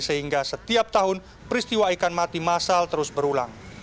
sehingga setiap tahun peristiwa ikan mati masal terus berulang